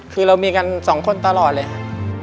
คือเรามีกันสองคนตลอดเลยค่ะ